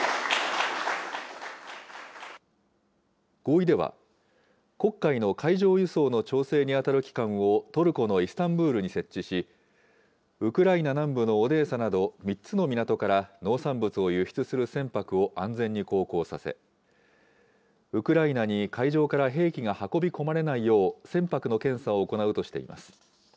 合意では、黒海の海上輸送の調整に当たる機関をトルコのイスタンブールに設置し、ウクライナ南部のオデーサなど３つの港から農産物を輸出する船舶を安全に航行させ、ウクライナに海上から兵器が運び込まれないよう、船舶の検査を行うとしています。